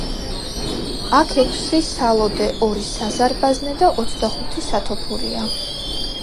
აქ ექვსი სალოდე, ორი საზარბაზნე და ოცდახუთი სათოფურია.